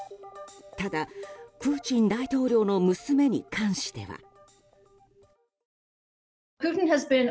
ただ、プーチン大統領の娘に関しては。